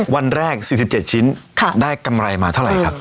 วันแรก๔๗ชิ้นได้กำไรมาเท่าไหร่ครับ